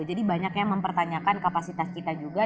banyak yang mempertanyakan kapasitas kita juga